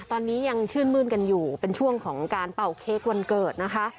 ตอนนี้ยังชื่นมื้นกันอยู่เป็นช่วงของการเป่าเค้กวันเกิดนะคะ